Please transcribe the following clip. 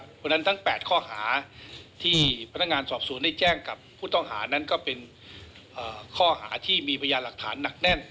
เพราะฉะนั้นทั้ง๘ข้อหาที่พนักงานสอบสวนได้แจ้งกับผู้ต้องหานั้นก็เป็นข้อหาที่มีพยานหลักฐานหนักแน่น